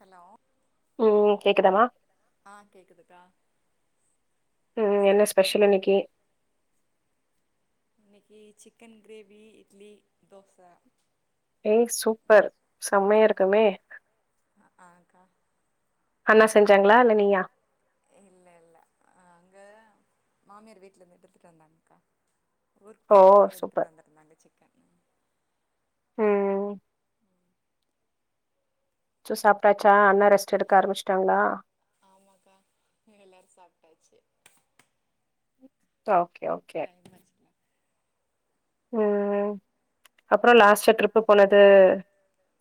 Hello ம் கேக்குதாம்மா ஆ கேக்குதுக்கா ஆ என்ன சொல்லுங்கக்கா ஸ்பெஷல் இன்னக்கு இன்னைக்கி சிக்கன் கிரேவி இட்லி தோச எய் சூப்பர் செம்மையா இருக்குமே அக்ஆங்க்கா அண்ணா செஞ்சாங்ளா இல்ல நீயா இல்ல இல்ல அங்க மாமியார் வீட்லருந்து எடுத்துட்டு வந்தாங்க்கா ஊருக் ஓ! போய்ருந்தாங்க எடுத்துட் சூப்பர். வந்துருந்தாங்க சிக்கன் ம் சோ சாப்டாச்சா அண்ண ரெஸ்ட் எடுக்க ஆ ஆரமிச்ட்டாங்ளா ஆமாக்கா இங்க எல்லாரு சாப்டாச்சு ஓகே ஓகே [unintelligible] ம் அப்ரோ லாஸ்ட்டா ட்ரிப்பு போனது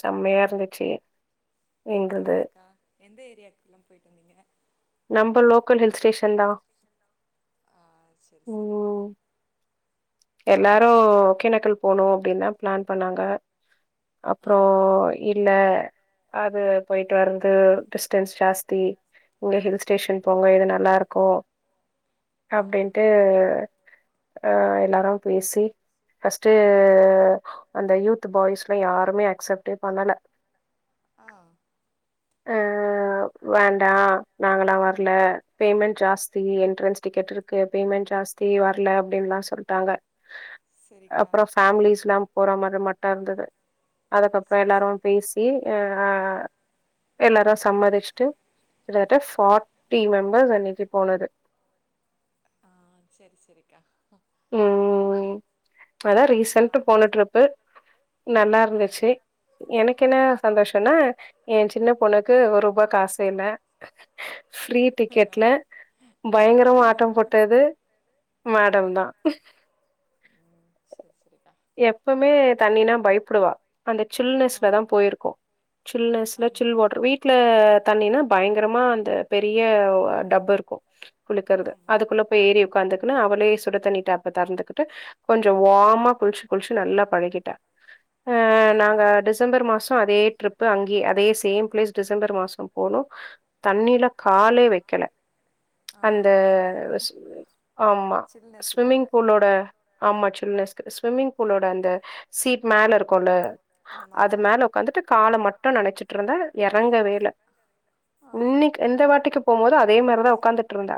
செம்மயாருந்துச்சு ஆ அக்கா எந்த ஏரியாக்குளா போய்ட்டு வந்தீங்க நம்ப லோக்கல் ஹில் ஸ்டேஷன் தா ஆ சரி சரி கா ம். எல்லாரு ஒகேணக்கல் போனு அப்டின் தா ப்ளான் பண்ணாங்க அப்ரோ ஆக்கா இல்ல அது போய்ட்டு வர்றது டிஸ்டன்ஸ் ஜாஸ்தி இங்க ஹில்ஸ்டேஷன் போங்க இது நல்லாருக்கு ஆ அப்டின்ட்டு அ எல்லாரு பேசி பஸ்ட்டு அந்த யூத் பாய்ஸ்ல யாருமே அக்சப்டே பண்ணல ஆ ஆ வேண்டா நாங்களா வர்ல பேமெண்ட் ஜாஸ்தி என்ட்ரன்ஸ் டிக்கெட்ருக்கு பேமெண்ட் ஜாஸ் தி வர்ல அப்டின்லா சொல்ட்டாங்க செரிக்கா அப்ரோ பேம்லீஸ்லா போறா மாரி மட்டு இருந்துது அதுக்கப்ரோ செரி எல்லாரு செரிக்கா பேஸ் பி அ அ எல்லாரு சம்மதிச்ட்டு டு ஃபாட்டி மெம்பர்ஸ் அன்னிக்கு போனது ஆ சரி சரிக்கா ம் அதா நா ரீசன்ட் போன ட்ரிப்பு நல்லாருந்துச்சு ஆ எனக்கென்ன சந்தோஷன்னா என் சின்ன பொண்ணுக்கு ஒரூபா காசே இல்ல ஃப்ரீ டிக்கட்ல ஆமா பயங்கரமா ஆமா ஆட்டம்போட்டது ஆ மேடம் தா ம் சரி சரிக்கா எப்பமே தண்ணினா பய்ப்டுவா அந்த ஆ சில்னஸ்ல தா போயிருக்கோ சில்னஸ்ல ஆமா சில்வாட்டர் வீட் ட்ல தண்ணினா பயங்கரமா அந்த பெரிய டப்புருக்கு குளிக்கறது ஆமா அதுக்குள்ள போய் ஏரி உக்காந்துக்குன்னு அவளே சுடு தண்ணி டாப்ப தெறந்துகிட்டு கொஞ்சோ வாமா குளுச்சு குளுச்சு நல்லா பழகிட்டா ஆ நாங்க டிஸ் டிசம்பர் மாசோ அதே ட்ரிப்பு அங்கயே அதே சேம் பிளேஸ் டிசம்பர் மாசோ போனோ தண்ணில காலே வெக்கல ஆ அந்த பயோ ஆமா சில்னஸுக்காக ஸ்விமிங் பூலோட ஆமா சில்னஸ்க்கு ஸ்விமிங் பூலோட அந்த சீட் மேல இருக்குல்ல அது ஆமாமா மேல உக்காந்துட்டு கால மட்டு நனச்சிட்ருந்த எறங்க வேல ஆ இன்னைக்கு இந்த வாட்டிக்கு போம்போது அதே மாரிதா உக்காந்துட்ருந்தா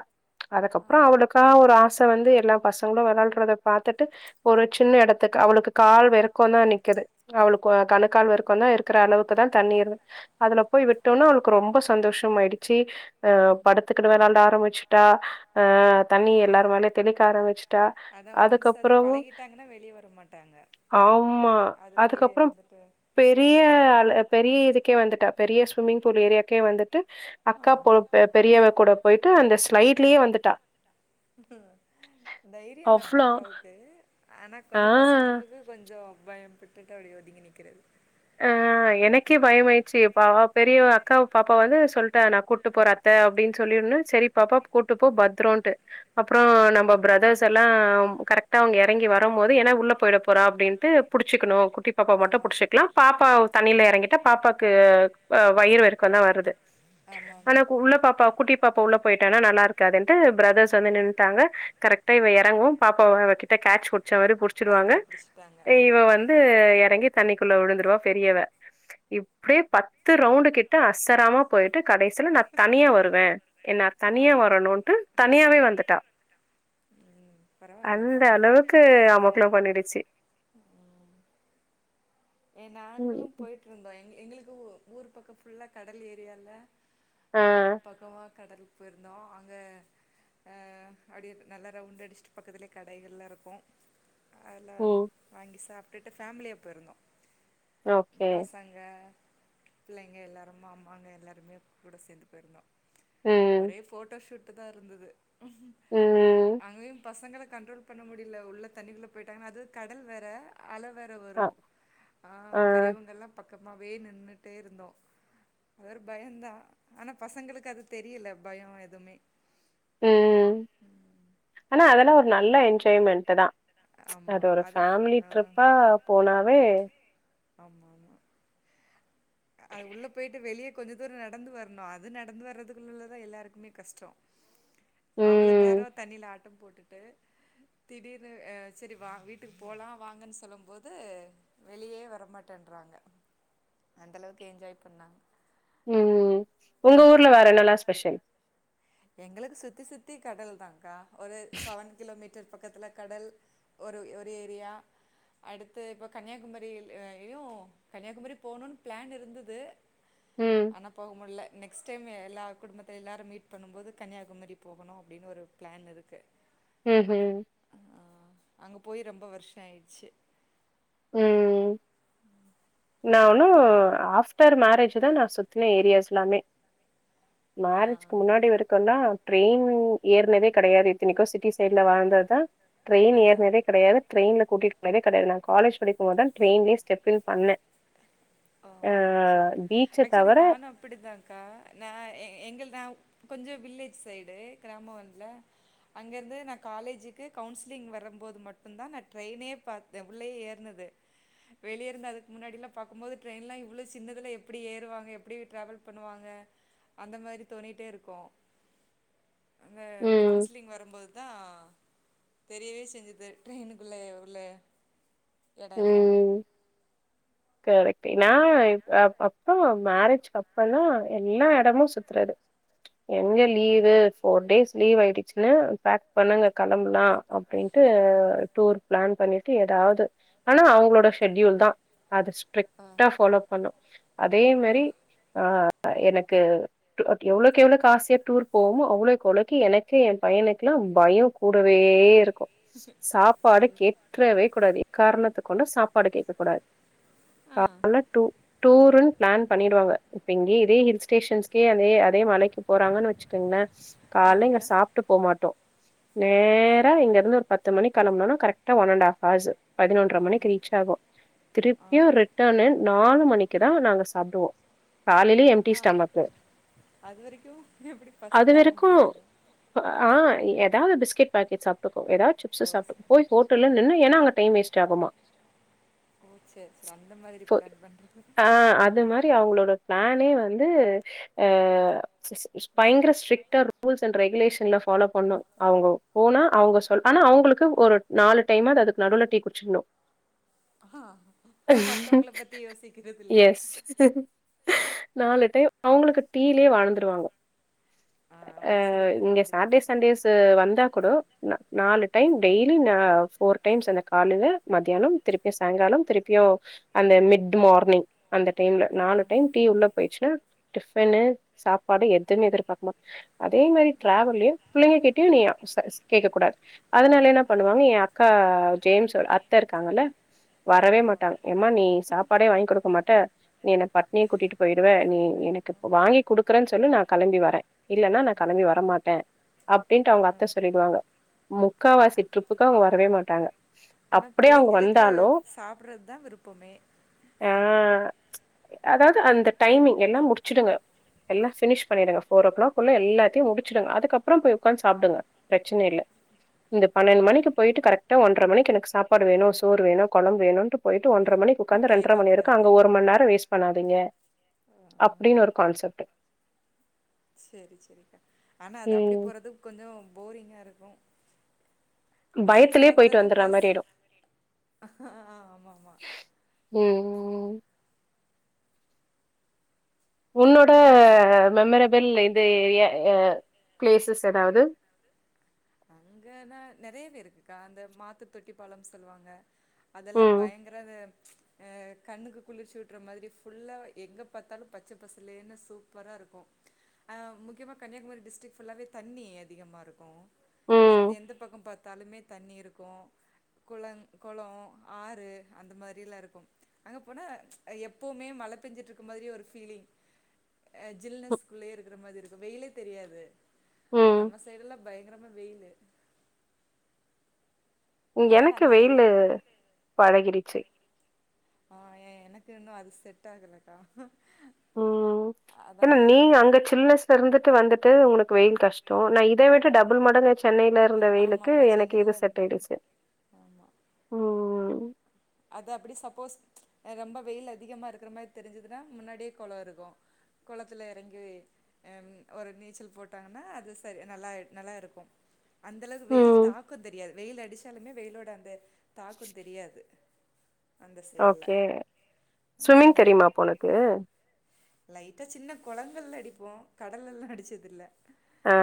ஆ அதுக்கப்றோ அவளுக் கா ஒரு ஆச வந்து எல்லா பசங்களு வெளாடறத பாத்துட்டு ஒரு சின்ன எடத்துக்கு அவளுக்கு கால் வெறுக்கே தா நிக்குது அவளுக்கு கணுக்கால் வெறுக்கேதா இருக்கற அளவுக்கு தா தண்ணி இரு அதுல போய் விட்டோனா அவளுக்கு ரொம்ப சந்தோஷம் ஆயிடுச்சு அ படுத்துக்கிடு வேளான்ட ஆரம்மிச்சுட்டா அ தண்ணி எல்லாருமேலயு தெளிக்க ஆரம்மிச்சு ட்டா அதுக்கப்பறவு முன்ன வெளிய வர மாட்டாங்க ஆமா அதுக்குள்ளே அதுக்கப்றோம் இருந்துட்டு பெரிய ஆளு பெரிய இதுக்கே வந்துட்டா பெரிய ஸ்விம்மிங் ஃபூல் ஏரியாக்கே வந்துட்டு ஆ அக்கா போ பெ பெரியவ கூட போயிட்டு அந்த ஸ்லைட்லயே வந்துட்டா தைரியந்தா அவ்ளோ பாப்பாவுக் கு ஆனா ஆ கொஞ்சோ ஃபர்ஸ்ட் டைமுக்கு கொஞ்சோ பயம் பட்டுட்டு அப்டியே ஒதுங்கி நிக்கறது ஆ எனக்கே பயம்யாடுச்சு பாவ பெரியவ அக்காவ பாப்பா வந்து சொல் டா நா கூட்டு போற அத்த அப்டின்னு சொல்லி ஒன்ன செரி பாப்பா கூட்டு போ பத்ரோன்ட்டு அப்றோ நம்ம ப்ரதர்ஸ் எல்லா கரெக்ட்டா அவங்க எறங்கி வரம் போது ஏன்னா உள்ள போயிட போறா அப்டின்ட்டுப் புடிச்சிக்கணு குட்டிப் பாப்பா மட்டு ஆமா புடிச்சிக்கலா பாப்பாவ் தண்ணியில எறங்கிட்டா பாப்பாக்கு அக் வவ் வயிறு வெறுக்கோந்தா வருது ஆமா ஆமா ஆனாக்கு உள்ள பாப்பா கூட்டிப் பாப்பா உள்ள போயிட்டானா நல்லா இருக்காதுன்ட்டு ப்ரதர்ஸ் வந்து நின்டாங்க கரெக்டா இவ எறங்கவு பாப்பாவ அவகிட் ட்ட கேட்ச் புச்சமாரி புடுச்சிடுவாங்க கரெக்டா புடிச்சுட்டாங்க இ இவ வந்து எறங்கி தண்ணிக்குள்ள விழுந்துட் டுவா பெரியவ இப்டியே பத்து ரவுண்டு கிட்ட அசராமா போயிட்டு கடைசியில நா தனியா வருவ என்னா ஆ தனியா வரணுன்ட்டு தனியாவே வந்துட்டா ம் அந்த பரவால்லக்கா அளவுக்கு அமக்களோ பண்ணிடுச்சு ஏ நாங்களு ம். போயிட்ருந்தோ எங் எங்களுக்கு ஊர் பக்கோ ஃபுல்லா கடல் ஏரியால ஆ அ பக்கமா கடலுக்கு போயிருந்தோ அங்க ஆ அப்டியே நல்லா ரவுண்ட் அடிச்சுட்டு பக்கத்துலயே கடைகள்லாருக்கு அதுல்லா ம் வாங்கி சாப்ட்டுட்டு ஃபேமிலியா போயிருந்தோ ம் ஓகே பசங்க புள்ளைங்க எல்லாரு மாமாங்க எல்லாருமே கூட சேந்து போயிருந்தோ ம் ஒரே ஃபோட்டோ சூட்டு தா இருந்தது ம் அங்கயு பசங்கள கண்ட்ரோல் பண்ண முடியல உள்ள தண்ணிக்குள்ள போயிட்டாங்கன்னா அது கடல் வேற அல வேற ஆ வரு ஆ பெரியவங்கலா பக்கமாவே நின்னுட்டே இருந்தோ அவர் பயோன்தா ஆனா பசங்களுக்கு அது தெரியல பயோ எதுமே ம் ஆனா அதெல்லா ஒரு நல்ல என்ஜாய்மெண்ட்டு தா ம்ச் அது ஆமா ஒரு ஃபேமிலி ஆ ட்ரிப்பா போனாவே ஆமா ஆமா அ அது உள்ள போயிட்டு வெளியே கொஞ்ச தூரோ நடந்து வர்ணு அது நடந்து வரதுக்குள்ளல்ல தா எல்லாருக்குமே கஷ்டோ அவளோ நேரோ ம் தண்ணில ஆட்டம் போட்டுட்டு திடீர்னு ஆ செரி வா வீட்டுக்கு போலா வாங்கன்னு சொல்லும் போது வெளியே வரமாட்டேன்றாங்க அந்த அளவுக்கு என்ஜாய் பண்ணாங்க ம் உங்க ஊர்ல வேற என்னலா ஸ்பெஷல் எங்களுக்கு சுத்தி சுத்தி கடல் தாங்க்கா ஒரு செவன் கிலோமீட்டர் பக்கத்துல கடல் ஒரு ஒரு ஏரியா அடுத்து இப்போ கன்யாகுமரிலயு கன்யாகுமரி போணுன்னு பிளான் இருந்தது ம் ஆனா போக முட்ல நெக்ஸ்ட் டைமு எல்லா குடும்பத்த எல்லாரு மீட் பண்ணும்போது கன்னியாகுமரி போகணு அப்டின்னு ஒரு பிளான் இருக்கு ம் ஹூ ஆ அங்க போய் ரொம்ப வருஷோ ஆயிருச்சி ம் நா ஒண்ணு ஆஃப் ஆஃப்டர் மேரேஜ் தா நா சுத்தின ஏரியாஸ் எல்லாமே ஆ மேரேஜ்க்கு முன்னாடி வரைக்குந்தா ட்ரெயின் ஏறுனதே கெடையாது இத்தனைக்கு சிட்டி சைட்ல வளந்ததுதா ட்ரெயின் அதா ஏறுனதே கெடையாது ட்ரெயின்ல கூட்டிட்டு போனதே கெடையாது நா காலேஜ் படிக்கும் போதுதா ட்ரெயின்லயே ஸ்டெப் இன் பண்ணே ஆ செரிக்கா பீச்ச ஆக்சுவலி தவர நானு அப் டிதாக்கா நா எ எங்கள்து நா கொஞ்ச வில்லேஜ் சைடு கிராமோல்ல அங்க இருந்து நா காலேஜுக்கு கவுன்சிலிங் வரம்போது மட்டுந்தா நா ட்ரெயினயே பாத் தே உள்ளயே ஏறுனது வெளிய இருந்து அதுக்கு முன்னாடில்லா பாக்கும் போது ட்ரெயின்லா இவ்வள சின்னதுல எப்டி ஏறுவாங்க எப்டி டிராவல் பண்ணுவாங்க அந்த மாரி தோணிட்டே இருக்கு அங்க ம் கவுன்சிலிங் வரம்போதுதா தெரியவே செஞ்சது ட்ரெயினுக்குள்ள உள்ள எடோ எல்லாமே ம் கரெக்ட் நா அ அப்போ மேரேஜ்க்கு அப் பதா எல்லா எடமு சுத்துறது எங்க ஆ லீவு ஃபோர் டேஸ் லீவ் ஆயிடுச்சுன்னா பேக் பண்ணுங்க கெளம்பலா அப்டின்ட்டு டூர் பிளான் பண்ணிட்டு ஏதாவது ஆனா அவங்களோட ஷெட்யூல்தா அத ஆ ஸ்ட்ரிக்டா ஃபாலோ பண்ணோ அதே மாரி ஆ ஆ எனக்கு டூ எவ்ளவுக் எவ்ளோ காஸ் சேத்து டூர்க்கு போவோமோ அவ்ளவுக் அவ்ளோ கு எனக்கு ஏ பையனுக்குல்லா பயோ கூடவே இருக்கு சாப்பாடு கேட்றவே கூடாது எக்காரணத் த கொண்டு சாப்பாடு கேக்க கூடாது ஆ காரண டூ டூருன்னு பிளான் பண்ணிடுவாங்க இப்ப இங்கயே இதே ஹில் ஸ்டேஷன்ஸ்கே அதே அதே மலைக்கு போறாங்கன்னு வச்சுக்கோங்களே ஆ காலேல இங்க அக்கா சாப்ட்டு போமாட்டோ நேரா இங்க இருந்து ஒரு பத்து மணிக்கு கெளம்புனோன்னா கரெக்டா ஒன் அண்ட் ஆஃப் ஹவர்ஸூ பதினொன் ற மணிக்கு ஆமா ரீச் ஆவோ ஆ திருப்பியு ரிட்டன்னு நாலு மணிக்குதா நாங்க சாப்டுவோ காலேலயு எம்டி ஆ ஸ்டோமக் அது வரைக்கு எப்டி பசி தாங்க வரைக்கு முடியாது ஆ ஏதாவது பிஸ்கட் பாக்கெட் சாப்ட்டுக்குவோ ஏதாவது சிப்ஸூ ஓ சரி சாப்ட்டுக்குவோ போய் ஹோட்டல்ல நின்னு ஏன்னா அங்க டைம் வேஸ்ட் ஆகுமா ஓ சேரி சேரி அந்த மாதிரி பிளான் பண்றது ஆ அது மா தி அவங்களோட பிளானே வந்து அ ஸ் பயங்கர ஸ்ட்ரிக்டா ரூல்ஸ் அண்ட் ரெகுலேஷன்லா ஃபாலோ பண்ணணு அவங்க போனா அவங்க சொல் ஆனா அவங்களுக்கு ஒரு நாலு டைம்மாது அதுக்கு நடுவுல டீ குடிச்சிட்ணு ஆ மத்தவங்கள பத்தி யோசிக்கிறது இல்ல எஸ் நாலு டைம் அவங்களுக்கு டீலயே வாழ்ந்துருவாங்க ஆ ஒரு சில பேர் இங்க சாட்டர்டே அப்டித்தாக்கா சண்டேஸ் து வந்தா கூடோ நா நாலு டைம் டெய்லி ந ஃபோர் டைம்ஸ் அந்த காலைல மத்தியானம் திருப்பி சாய்ங்காலம் திருப்பியு அந்த மிட் மார்னிங் அந்த டைம்ல ஆ நாலு டைம் டீ உள்ள பேயிட்ச்சுன்னா டிஃபனு சாப்பாடு எதுமே எதிர்பார்க்கமா அதே மாரி ட்ராவல்லயு புள்ளைங்க கேட்டு நீ ச கேக்க கூடாது அதனால என்னா பண்ணுவாங்க என் அக்கா ஜேம்ஸ் அத்த இருக்காங்கல்ல வரவே ஆமாமா மாட்டாங்க ஏம்மா நீ சாப்பாடே வாங் குடுக்க மாட்ட நீ என்ன பட்னியா கூட்டிட்டுப் போய்ருவ நீ எனக்கு வாங்கி குடுக்குறன் சொல்லு நா கெளம்பி வரே இல்லன்னா நா ஆ கெளம்பி வரமாட்டா அப்டின்ட்டு அவுங்க ஆ அத்த சொல்லிடுவாங்க முக்காவாசி ட்ரிப்புக்கு அவுங்க வரவே மாட்டாங்க ஆனா அப்டியே அவங்க புள்ளைங்களுக்கு வந்தாலு சாப்ட்றத் தா விருப்பமே ஆ அதாவ்து அந்த டைமிங் எல்லாம் முடிச்சிடுங்க எல்லா ஃபினிஷ் பண்ணிடுங்க ஃபோர் ஓ கிளாக்குல்லா எல்லாத்தையு முடிச்சுடுங்க அதுக்கப்புறம் போய் உக்காந்து சாப்டுங்க பிரச்சன இல்ல இந்த பன்னெண்டு மணிக்கு போயிட்டு கரெக்டா ஒன் ஒன்ற மணிக்கு எனக்கு சாப்பாடு வேணு சோறு வேணு கொழம்பு வேணுன்டு போய்ட்டு ஒன்ற மணிக்கு உக்காந்து ரெண்ட்ற கேக்க மணி வரைக்கு கூடாது அங்க ஒரு மண் நேரொ வேஸ்ட் பண்ணாதீங்க ஆ அப்டின்னு ஒரு கான்செப்டு செரி செரிக்கா ஆனா அது அப்டி ம் போறது கொஞ்சொ போரிங்கா இருக்கு சுத்தி பயத்திலயே போயிட்டு பாக்குறதும் வந்துற பிளஸ் மாரி ஆயிடு ஆ ஆமா ஆமா ம் ம் ம் உன்னோட மெமரபிள் இது எ அ ப்ளேஸஸ் எதாவ்து அங்கன்னா நறையவே இருக்குக்கா அந்த மாத்து தொட்டிப்பாலம் சொல்வாங்க அதெல்லாம் ம் பயங்கரது அ கண்ணுக்கு குளிர்ச்சு உட்டுற மாதிரி ஃபுல்லா எங்க பாத்தாலும் பச்ச பசலேன்னு சூப்பரா இருக்கும் அ முக்கியமா கன்னியாகுமரி டிஸ்ட்ரிக் ஃபுல்லாவே தண்ணி அதிகமாருக்கூ எந் ம் எந்த பக்கம் பாத்தாலுமே தண்ணி இருக்கூ குளங் கொளொ ஆறு அந்த மாரிலா இருக்கும் அங்க போனா எப்பவுமே மழ பேஞ்சிட்டுருக்க மாரியே ஒரு ஃபீலிங் அ ம் ஜில்னஸ்குள்ளயே இருக்கிற மாதிரி இருக்கூ வெயிலே தெரியாது ஆனா ம். நம்ம சைடு எல்லா பயங்கரமா வெயிலு அதனால எனக்கு அந்த ஏரியா வெயிலு பழகிருச்சி ஆ ஏ எனக்கு இன்னு அது செட் ஆகலக்கா ம் ஏன்னா அதாங்க நீ அங்க சில்னஸ்ல இருந்துட்டு வந்துட்டு உனக்கு வெயில் கஷ்டோ நா இத விட்டு டபுள் மடங்குச் சென்னையில இருந்த வெயிலுக்கு ஆமாமா எனக்கு இது சென்னைல செட் பயங் ஆய்டுச்சு ஆமா ம் அது அப்டி சப்போஸ் ரொம்ப வெயில் அதிகமா இருக்கிற மாரி தெரிஞ்சுதுன்னா முன்னாடியே கொளொ இருக்கூ கொளத்துல எறங்கி அம் ஒரு நீச்சல் போட்டாங்கன்னா அது சரி நல்லா நல்லா இருக்கும் அந்த அளவுக்கு வெயில் ம் தாக்கொந் தெரியாது வெயில் அடிச்சாலுமே வெயிலோட அந்த தாக்கொந் தெரியாது அந்த ஓகே சைட்ல ஸ்விம்மிங் தெரியுமா அப்போ உனக்கு லைட்டா சின்ன கொளங்கள்ல அடிப்போ கடல்லல்லா அடிச்சது இல்ல ஆ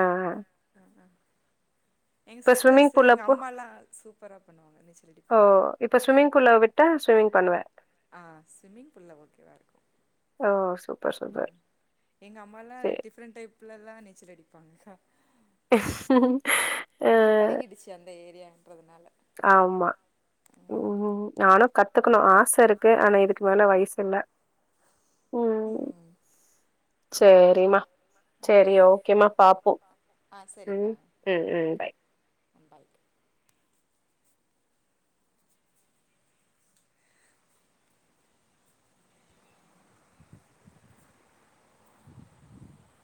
அ அ எங்க இப்ப ஸ்விம்மிங் சிஸ்டர்ஸு பூல் எங்க அப்போ அம்மால்லா சூப்பரா பண்ணுவாங்க நீச்சல் ஓ அடிப்பாங்க இப்ப ஸ்விம்மிங் பூல்ல விட்டா ஸ்விம்மிங் பண்ணுவ ஆ ஸ்விம்மிங் பூல்ல ஓகேவா இருக்கு ஆ சூ ம் எங்க அம்மாலா டிஃப்ரெண்ட் டைப்ல எல்லா நீச்சல் அடிப்பாங்கா ஆ அவுங்களுக்கு பழகிடுச்சு அந்த ஏரியான்றதுனால ஆம்மா ம் நானும் கத்துக்னு ஆச இருக்கு ஆனா இதுக்கு மேல வயசு இல்ல ம் சேரிம்மா சேரி ஓகேம்மா பாப்போ ஆ ம் சரிக்கா ம் ம் ஓகே பை அம்பாய்க்க [inaudible]